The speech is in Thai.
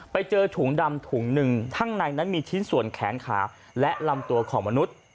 ไปเจอถุงดำถุงหนึ่งข้างในนั้นมีชิ้นส่วนแขนขาและลำตัวของมนุษย์